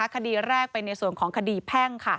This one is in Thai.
คดีแรกเป็นในส่วนของคดีแพ่ง